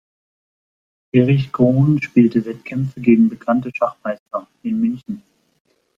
Erich Cohn spielte Wettkämpfe gegen bekannte Schachmeister: in München.